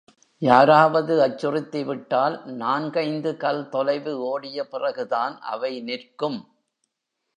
யாராவது அச்சுறுத்திவிட்டால், நான்கைந்து கல் தொலைவு ஓடிய பிறகுதான் அவை நிற்கும்.